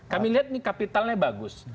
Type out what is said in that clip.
kami lihat ini kapitalnya bagus